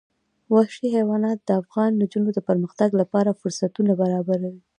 وحشي حیوانات د افغان نجونو د پرمختګ لپاره فرصتونه برابروي.